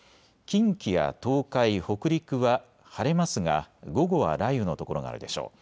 近畿や東海、北陸は晴れますが午後は雷雨の所があるでしょう。